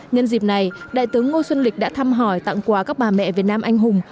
nhân dịp này đại tướng ngô xuân lịch đã thăm hỏi tặng quà các bà mẹ việt nam anh hùng